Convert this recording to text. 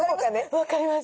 分かります。